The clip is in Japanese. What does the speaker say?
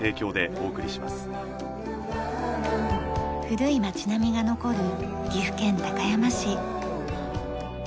古い町並みが残る岐阜県高山市。